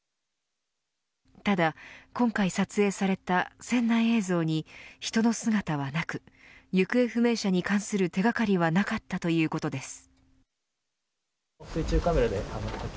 ただ、今回撮影された船内映像に人の姿はなく行方不明者に関する手掛かりはなかったということです。